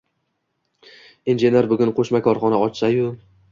injener bugun qo’shma korxona ochsa-yu